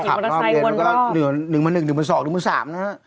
ขับรอบเรียนก็หนึ่งบันหนึ่งหนึ่งบันสองหนึ่งบันสาม